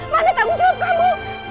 mana tanggung jawab kamu